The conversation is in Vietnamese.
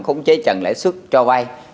khống chế trần lãi suất cho vay